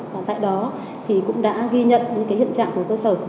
và tại đó thì cũng đã ghi nhận những hiện trạng của cơ sở